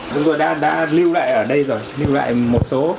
chúng tôi đã lưu lại ở đây rồi nhưng lại một số